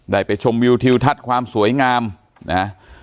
ไปชมวิวทิวทัศน์ความสวยงามนะฮะ